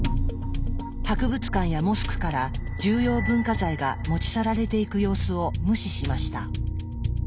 博物館やモスクから重要文化財が持ち去られていく様子を無視しました。